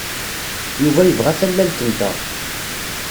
Yuba yebɣa tallalt-nteɣ.